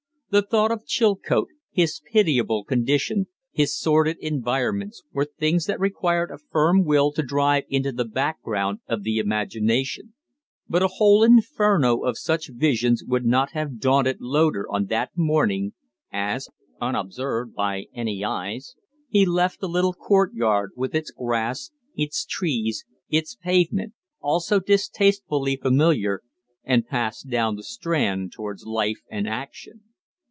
The thought of Chilcote, his pitiable condition, his sordid environments, were things that required a firm will to drive into the background of the imagination; but a whole inferno of such visions would not have daunted Loder on that morning as, unobserved by any eyes, he left the little court yard with its grass, its trees, its pavement all so distastefully familiar and passed down the Strand towards life and action.